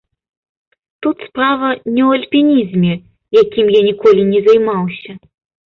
Тут справа не ў альпінізме, якім я ніколі не займаўся.